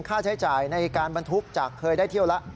ค่าใช้จ่ายในการบรรทุกจากเคยได้เที่ยวแล้ว